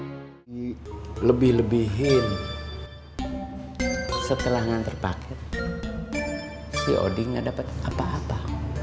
hai lebih lebihin setelah nganter paket si odin dapat apa apa